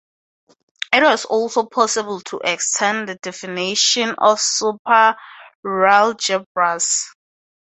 It is also possible to extend the definition to superalgebras.